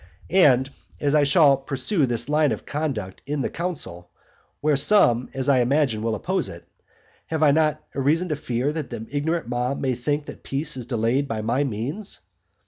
And, as I shall pursue this line of conduct in the council, where some, as I imagine, will oppose it, have I not reason to fear that the ignorant mob may think that peace is delayed by my means?